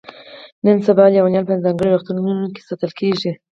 نن سبا لیونیان په ځانګړو روغتونونو کې ساتل کیږي.